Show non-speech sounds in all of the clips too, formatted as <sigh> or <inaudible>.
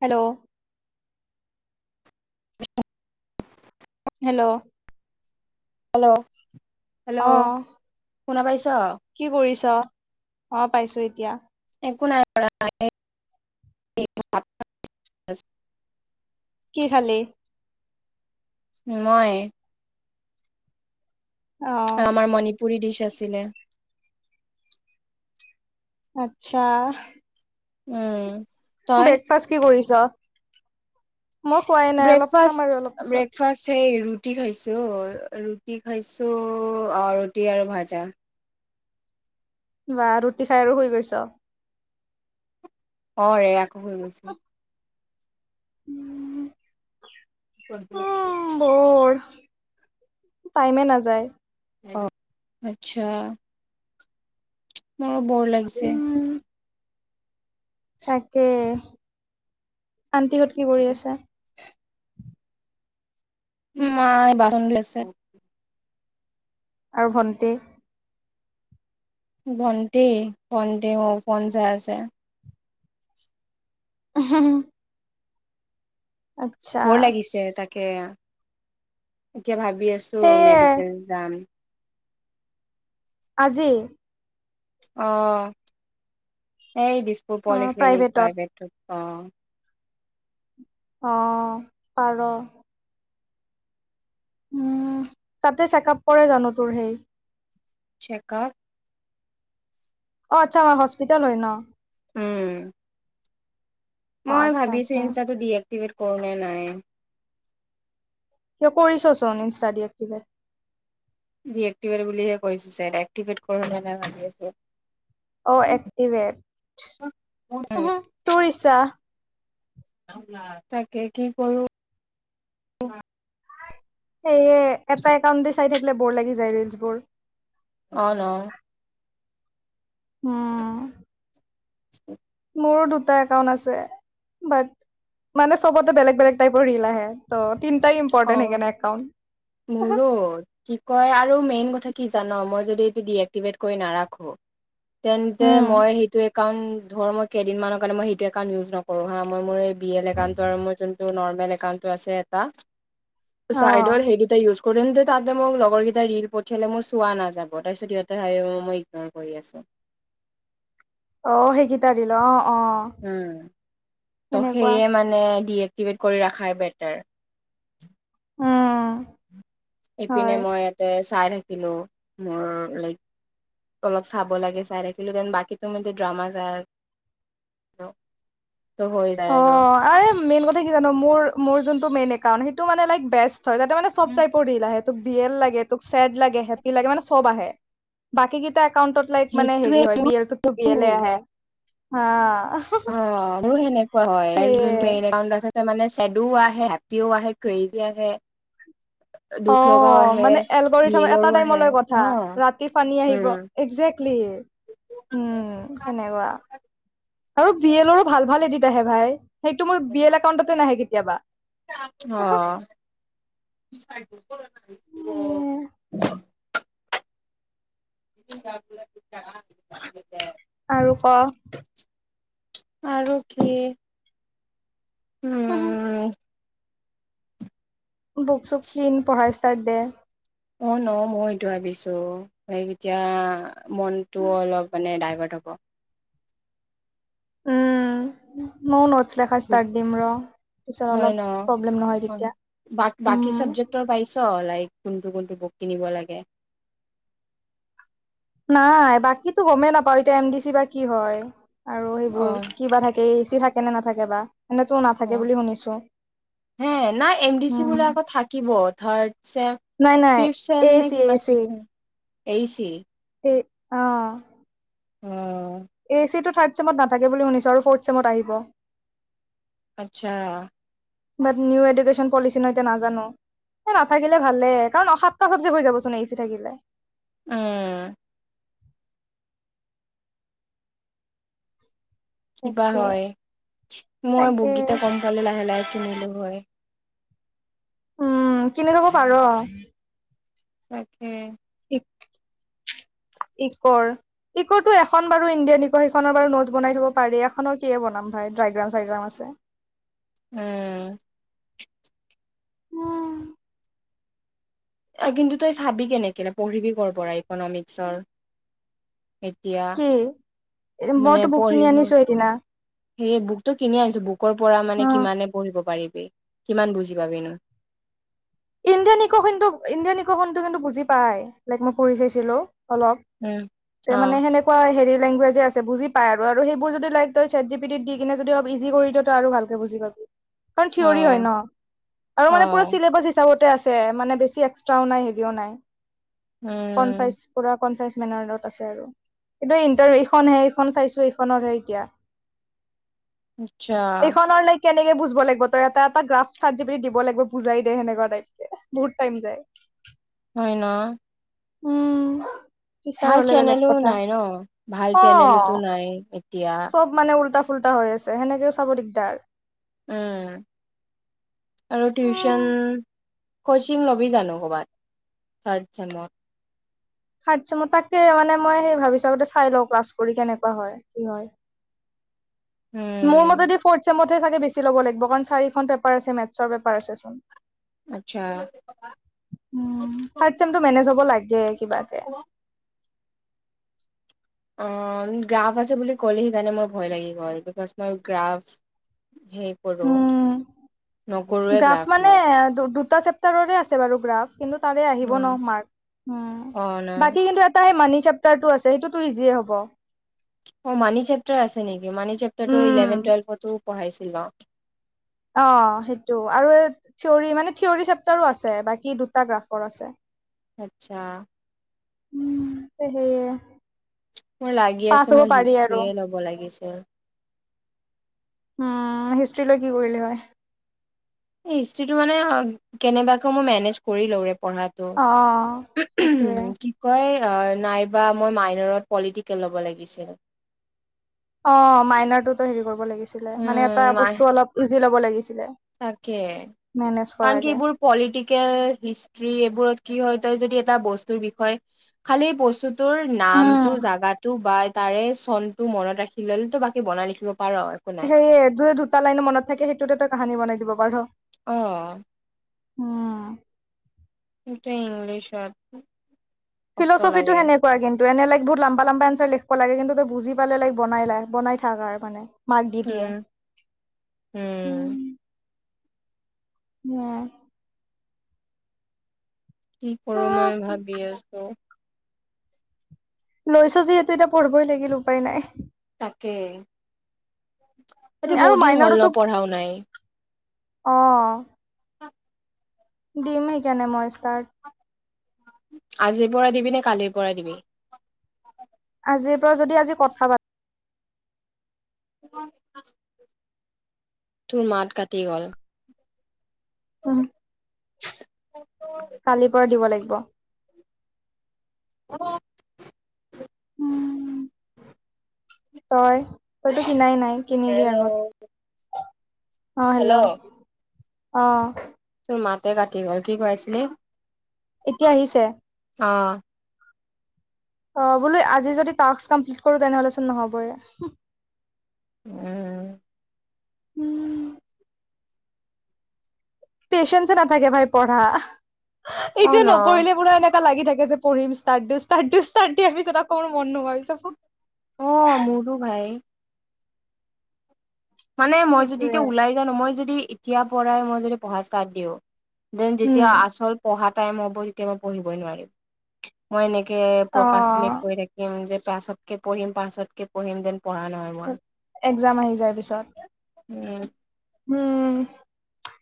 Hello. <unintelligible> Hello. Hello. Hello অহ। শুনা পাইছ? কি কৰিছ? অ পাইছো এতিয়া। <unintelligible> কি খালি? মই? অ আমাৰ মণিপুৰী ডিছ আছিলে। আত্চ্ছা। উম। তই ব্ৰেকফাষ্ট কি কৰিছ? মই খোৱাই নাই অলপ খাম আৰু অলপ ব্ৰেকফাষ্ট পিছত ব্ৰেকফাষ্ট সেই ৰুটি খাইছোঁ ৰুটি খাইছোঁ অ ৰুটি আৰু ভাজা। বা ৰুটি খাই আৰু শুই গৈছ। অ ৰে আকৌ হৈ গৈছোঁ। উম <unintelligible> <unintelligible> বৰ টাইমে নাযায়। অ আত্চ্ছা মোৰ বৰ লাগিছে। উম তাকে আনটিহঁত কি কৰি আছে? মাই বাচন ধুই আছে। আৰু ভণ্টি? ভণ্টি ভণ্টি মোৰ ফোন চাই আছে। <unintelligible> আচ্ছা বৰ লাগিছে তাকে, এতিয়া ভাবি ভাবি আছো সেয়ে মেডিকেল যাম। আজি? অ এই দিছপুৰ অ পলিক্লিনিক প্ৰাইভেটত প্ৰাইভেটটো। অ। অ পাৰ। উম তাতে চেক আপ কৰে জানো তোৰ সেই? চেকাপ অ আত্চ্ছা হস্পিটেল হয় ন। উম অ মই আচ্ছা ভাবিছোঁ আচ্ছা ইনছষ্টাটো ডিএকটিভ কৰো নে নাই। কিয় কৰিছ চন ইনছষ্টা ডিএকটিভত। ডিএকিভেট বুলিহে কৈছে দাৰেক ডিটেকটিভেত কৰোঁ নাই ভাবি আছে। অ এক্টিভেট তোৰ ইচ্ছা। তাকে কি কৰো। সেয়ে এটা একাউণ্ট দি চাই থাকিলে বৰ লাগি যায় ৰিলচ বোৰ। অ ন? উম। মোৰ দুটা একাউণ্ট আছে বাট মানে চবতে বেলেগ বেলেগ টাইপৰ ৰিল লাহে ত তিনটাই অ ইম্পৰ্টেণ্ট সেইকাৰণে একাউণ্ট মোৰো কি কয় আৰু মেইন কথা কি জান মই যদি এইটো ডিএকটিভেট কৰি নাৰাখো তেন্তে উম মই সেইটো একা- একাউণ্ট ধৰ মই কেইদিনমানৰ কাৰণে মই সেইটো একাউণ্ট ইউজ নকৰোঁ হা মই মোৰ এই বিয়েৰ একাউণ্টৰ মোৰ যোনটো নৰ্মেল একাউণ্টটো আছে এটা অ চাইদৰ সেই কেইটা ইউজ কৰেন্তে তাতে মোক লগৰকেইটাই ৰিল পঠিয়ালে মোৰ চোৱা নাযাব তাৰপিছত সিহঁততে ভাব মই ইগনৰ কৰি আছোঁ। অ সেইগেইটা ৰিল অ অ উম ত সেনেকুৱা সেয়ে মানে ডিএক- কটিভ কৰি ৰাখাই বেটাৰ। উম ইপিনে হয় মই ইয়াতে চাই থাকিলো, মোৰ লাইক অলপ চাব লাগে চাই থাকিলো, দেন বাকী তো মে ড্ৰামা চাই ক অ আই মেইন কথা কি জান, মোৰ মোৰ যোনটো মেইন একাউণ্ট সেইটো মানে লাইক বেষ্ট। হয় তাতে মানে চব তাই পৰ ৰিল লাহে। ত বিয়েল লাগে, তোক ছেড লাগে, হেপি লাগে মানে চব আহে, বাকীকেইটা হন্তোষ লাইফ মানে সেইটোৱে হেৰি হয়, মোৰো। বিয়েলটো বিয়েলে আহে, হা হা হা হয়, হয়। লাইফ ৰিয়েলটো <inaudible> এনেকোৱা হ'য়। মানে ছেডো আহে, হেপ্পিও আহে, ক্ৰেইজি আহে দুখ লগাও অঁ, আহে মানে এলগৰি থাম এটা ৰিয়েলৰো আহে টাইমলৈ কথা, অ ৰাতি পানী আহিব। উম। একজেক প্লিছ, অ'। উম, সেনেকুৱা। আৰু বি এলৰো ভাল ভাল এডিট আহে ভাই। সেইটো মোৰ বি এল একাউণ্টতে নাহে কেতিয়াবা। অ। সেয়ে। ক <inaudible> আৰু ক'? আৰু কি? অঁ-হঁ উম, বুক-চুক কিন্‌ পঢ়াৰ ষ্টাৰ্ট দে। অ ন' মই এইটো ভাৱিছো। সেই এতিয়া মনটো অলপ মানে ডাই হ'য়টোক'। উম, মইও নটছ লেখা ষ্টাৰ্ট দিম ৰ'। পিছত হ'য় অলপ ন'? প্ৰব্লেম নহয় হ'য়, তেতিয়া। বাক বাকি উম, চাবজেক্টৰ পাইছ, লাইক কোনটো কোনটো বুক কিনিব লাগে? নাই, বাকিটো গমেই নাপাওঁ, এতিয়া এম ডি চি বা কি হ'য়? আৰু সেইবোৰ, অ', কিবা থাকে? এ চি থাকে নে নাথাকে বা? এনেইটো নাথাকে বুলি শুনিছো। হেঁ, নাই। এম ডি চি উম, বোলে আকৌ থাকিব। থাৰ্ড ছেম নাই নাই ফিফ্ট ছেম এ নে চি এ কিমান চিক্সছ ছেম, এ ই চি এইত, অঁ অঁ। এ ই চিটো থাৰ্ড ছেমত নাথাকে বুলি শুনিছোঁ আৰু ফৰ্থ ছেমত আহিব। আচ্ছা। বাট নিউ এডুকেশ্যন পলিচি ন', এতিয়া নাজানো। অ নাথাকিলে ভালেই, কাৰণ অ সাতটা চাবজেক্ট হৈ যাবচোন এ ই চি থাকিলে। উম। কিবা তাকে হ'য়? মই তাকে বুকগিটা গমপালে লাহে লাহে কিনিলোঁ হ'য়। উম, কিনি ল'ব পাৰ। তাকে। <unintelligible> ইকৰ, ইকৰটো এখন বাৰু ইণ্ডিয়ান ইকৰ সেইখনৰ বাৰু নট বনাই থ'ব পাৰি, এখনৰ কিহে বনাম ভাই? ডাইগ্ৰাম-চাইগ্ৰাম আছে। উম। অঁ। ঐ কিন্তু তই চাবি কেনেকে? পঢ়িবি কৰ পৰা ইকনমিক্সৰ এ তীয়া? কি মইতো বুক কিনি আনিছো সেইদিনা। সেই বুকটো কিনি আনিছো, বুকৰ পৰা মানে অ কিমানে পঢ়িব পাৰি? কি-কিমান বুজি পাবি নো? ইণ্ডিয়ান ইকখনটো, ইণ্ডিয়ান ইকখনটো কিন্তু বুজি পাই। লাইক, মই পঢ়ি চাইছিলোঁ। অলপ উম, তে মানে অ', সেনেকুৱা হেৰি লেংগুৱেজে আছে বুজি পায় আৰু, আৰু সেইবোৰ যদি লাইক তই, ছেট জিপিটিত দি কিনে যদি অলপ ইজি কৰি দিয়' তই আৰু ভালেকে বুজি পাবি। কাৰণ থিয়ৰী হয় অ', ন, 'আৰু মানে পুৰা অ', চিলেবাছ ইচ থাকোতে আছে মানে বেছি এক্সট্ৰাও নাই, হেভিও নাই, কনচাইচ উম, পুৰা কনচাইচ। মেনা ৰোডত আছে আৰু কিন্তু ইন্টাৰ এইখনহে, এইখন চাইছো এইখনৰহে এতিয়া আত্চ্ছা এইখনৰ লাইক কেনেকে বুজব' লাগব'? তই এটা এটা গ্ৰাফ চাৰ্ট জি পি টিত দিব লাগিব। বুজাই দে সেনেকুৱাত ৰাইটে, বহুত টাইম যায়। হয় না? উম টিচাৰ হলে বেলেগ চেনেলো কথা নাই ন ভাল অ। চেনেলোতো নাই এতিয়া চব মানে উল্টা ফুল্টা হৈ আছে সেনেকেই চাব দিগদাৰ। উম আৰু টিউচন? উম কচিং ল'বি জানো কবাত থাৰ্ড চেমত? থাৰ্ড ছেমট তাকে, মানে মই সেই ভাবিছো আগতে চাই লওঁ ক্লাছ কৰি কেনেকুৱা হয় কি হয়? মোৰ উম মতে ফৌৰ্থ চেমত হে বেছি ল'ব লাগিব কাৰণ চাৰিখন পেপাৰ আছে মেথৰ পেপাৰ আছে চোন। আত্চ্ছা। উম, থাৰ্ড চেমটো মেনেজ হ'ব লাগে কিবাকে। অন, গ্ৰাফ আছে বুলি ক'লে সেইকাৰণে মোৰ ভয় লাগি গ'ল, বিকজ মই গ্ৰাফ কৰোঁ, উম, নকৰ গ্ৰাফ মানে দুটা চেপ্তাৰৰে আছে বাৰু গ্ৰাফ কিন্তু তাৰে আহিব ন মাৰ্ক। অ বাকী কিন্তু এটা সেই মানি চেপ্তাৰটো আছে সেইটোতো ইজিয়ে হ'ব। অ মানি চেপ্টাৰ আছে নেকি মানি চেপটাৰটো উম, ইলেভেন টুৱেল্ভতো পঢ়াইছিল অ। অ সেইটো আৰু থিয়ৰী মানে থিয়ৰী চেপটাৰো আছে বাকী দুটা গ্ৰাফৰ আছে। আত্চ্ছা। উম সেয়ে মোৰ লাগি পাছ আছে হ'ব মই পাৰি আৰু হিষ্ট্ৰীয়ে ল'ব লাগিছিল। উম হিষ্ট্ৰ্ৰীলৈ কি কৰিলি হয়? হিষ্টোৰীটো মানে কেনেবাকে মই মেনেজ কৰি লওঁ ৰ। অ', পঢ়াটো সেইটোয়ে কি কয় নাইবা মই মাইনৰত পলিটিকেল ল'ব লাগিছিল। অ মাইনাৰটোতো হেৰি কৰিব লাগিছিলে মানে এটা বস্তু অলপ ইজি লব লাগিছি- তাকে কাৰণ কি কৰাকে এইবোৰ পলিটিকেল হিষ্টষ্ট্ৰি এইবোৰত কি হয় তই যদি এটা বস্তুৰ বিষয় খালি বস্তুটোৰ উম। নামটো জাগাটো বা তাৰে চনটো মনত ৰাখি লল তই বাকী বনাই লিখিব- পাৰ একো নাই সেইয়ে দু দুটা লাইন মনত থাকে সেইটোতে তই কাহানী বনাই দিব পাৰ। অহ। উম। এতিয়া ইংলিছত কষ্ট ফিলচফি টো লাগে সেনেকুৱা কিন্- তই এ লাইক বহুত লম্বা লম্বা এঞ্চাৰ লখিব লাগে কিন্তু বুজি পে লাইক বনাই লাই বনাই থাক আৰু মানে। মাৰ্ক দি উম দিয়ে উম। ম কি কৰো মই ভাবি আছো। লৈছ যিহেতু এতিয়া পঢ়িবই লাগিল উপায় নাই। এতিয়া বহুত দিন হ'ল ন পঢ়াও নাই। অহ। দিম সেইকাৰণে মই ষ্টাৰ্ট। আজিৰ পৰা দিবি নে কালিৰ পৰা দিবি? আজিৰ পৰা যদি আজি কথা পাত <unintelligible> তোৰ মাত কাটি গল। <unintelligible> কালিৰ পৰা দিব লাগিব। অ। উম। তই তইতো চিনাই নাই? কিনিবি হেল্ল'। আগত অ হেল্ল' অ। তোৰ মাতে কাটি গ'ল কি কৈ আছিলি এতিয়া আহিছে। অঁ অ বোলো আজি যদি টাস্ক কমপ্লিট কৰো তেনেহ'চোন নহ'ব‌ই উম উম পেচেঞ্চছে নাথাকে ভাই পঢ়া অ এতিয়া ন নপঢ়িলে পুৰা এনে লাগি থাকে যে পঢ়িম ষ্টাৰ্টত দিম ষ্টাৰ্টত দিম ষ্টাৰ্টত দিয়া পিছত আকৌ মন নোহোৱা হৈ যাব অ মোৰোটো ভাই মানে মই যদি এতিয়া সেইটোৱে ওলাই যাওঁ মই যদি এতিয়া পৰাই মই যদি পঢ়া ষ্টাৰ্টত দিওঁ। দেন যেতিয়া উম আচল পঢ়া টাইম হ'ব তেতিয়া মই পঢ়িবই নোৱাৰিম মই এনে কে অ প্ৰকাশ চিলেট কৰি থাকিম যে পাছতকে পঢ়িম পাছতকে পঢ়িম দেন একজাম আহি যায় পিছত উম উম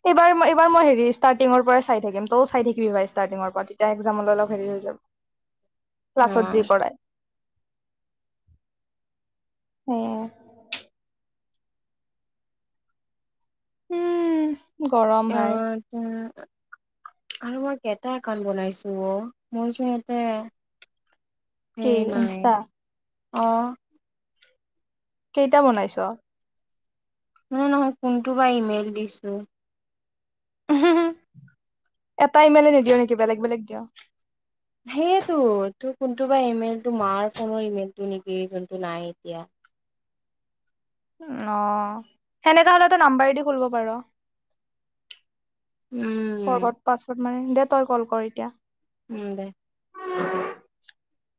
এইবাৰ এইবাৰ মই হেৰি ষ্টৰ্টিংৰ পৰাই চাই থাকিম ত‌ইও চাই থাকিবি ষ্টাৰ্টিংৰ পৰা তেতিয়া একজামলৈ অলপ হেৰি অ ক্লাছত যি পঢ়ায় উম উম গৰম ভাই অ আৰু মই কেইটা একাউন্ট বনাইছো অ মোৰচোন ইয়াতে কি ইনছষ্টা অঁ কেইটা বনাইছ মানে নহয় কোনটো বা ইমেইল দিছো এটা ইমেইলে নিদিও নেকি বেলেগ বেলেগ দিয়ো সেইয়েতো তোৰ কোনটো বা ইমেইলটো মাৰ ফোনৰ ইমেইলটো নেকি যোনটো নাই এতিয়া অ সেনেকা হলে ত নাম্বাৰদি খুলিব পাৰ উম ফৰৰ্গড পাছৱৰ্ড মাৰিম দে তই কল কৰ এতিয়া উম দে <unintelligible>